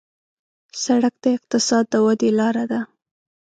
سړک د اقتصاد د ودې لاره ده.